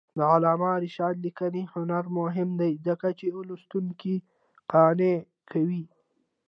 د علامه رشاد لیکنی هنر مهم دی ځکه چې لوستونکي قانع کوي.